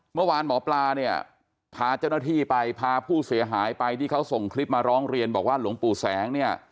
เมื่อวานหมอปลาเนี่ยพาเจ้าหน้าที่ไปพาผู้เสียหายไปที่เขาส่งคลิปมาร้องเรียนบอกว่าหลวงปู่แสงเนี่ย